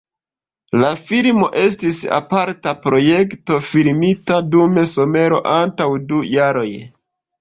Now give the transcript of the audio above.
La filmo estis aparta projekto filmita dum somero antaŭ du jaroj.